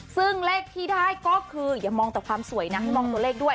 ซึ่งเลขที่ได้ก็คืออย่ามองแต่ความสวยนะให้มองตัวเลขด้วย